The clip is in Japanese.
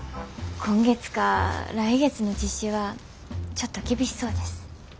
今月か来月の実施はちょっと厳しそうです。